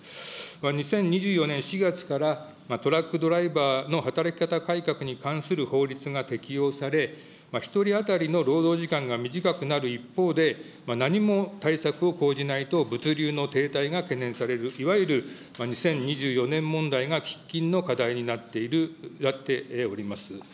２０２４年４月から、トラックドライバーの働き方改革に関する法律が適用され、１人当たりの労働時間が短くなる一方で、何も対策を講じないと、物流の停滞が懸念される、いわゆる２０２４年問題が喫緊の課題になっている、なっております。